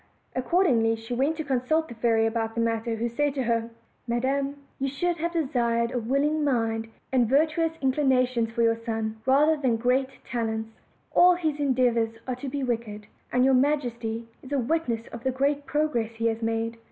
Accordingly she went to consult the fairy about the matter, who said to her: "Madam, you should have desired a willing mind and virtuous inclinations for your son, rather than great talents; all his endeavors are to be wicked, and your majesty is a witness of the great progress he has made."